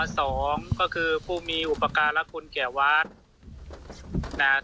สองก็คือผู้มีอุปการณ์ละคุณแก่วัด